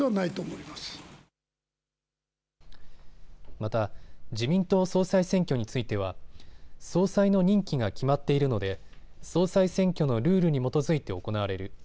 また自民党総裁選挙については総裁の任期が決まっているので総裁選挙のルールに基づいて行われる。